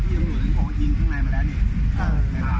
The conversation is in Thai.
เป็นเพื่อนอาหารนะวิน่ะ